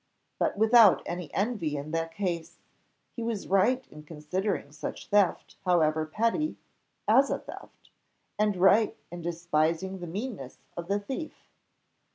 but without any envy in the case, he was right in considering such theft, however petty, as a theft, and right in despising the meanness of the thief.